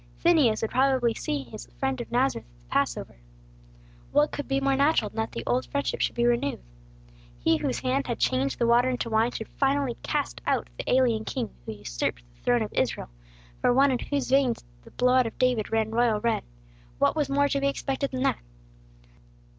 Phineas would probably see his friend of Nazareth at the Passover. What could be more natural than that the old friendship should be renewed. He whose hand had changed the water into wine should finally cast out the alien king who usurped the throne of Israel, for one in whose veins the blood of David ran royal red, what was more to be expected than that?